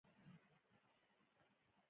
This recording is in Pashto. د اقلیم بدلون له انسانانو سره تړاو لري.